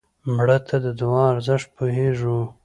مړه ته د دعا ارزښت پوهېږو